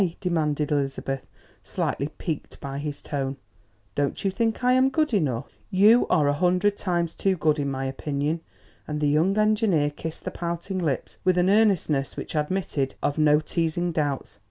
demanded Elizabeth, slightly piqued by his tone; "don't you think I am good enough?" "You're a hundred times too good, in my opinion!" And the young engineer kissed the pouting lips with an earnestness which admitted of no teasing doubts.